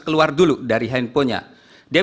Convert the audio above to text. keluar dulu dari handphonenya dia